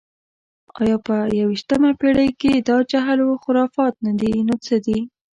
ایا په یویشتمه پېړۍ کې دا جهل و خرافات نه دي، نو څه دي؟